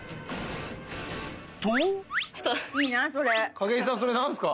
景井さんそれ何ですか？